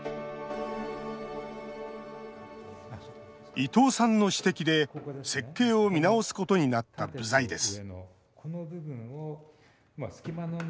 伊藤さんの指摘で、設計を見直すことになった部材です